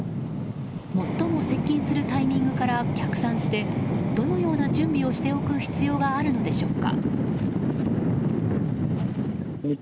最も接近するタイミングから逆算してどのような準備をしておく必要があるのでしょうか。